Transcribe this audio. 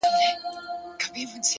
علم د انسان وړتیا زیاتوي،